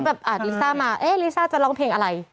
อ่านลิซ่ามาเอ๊ะลิซ่าจะร้องเพลงอะไร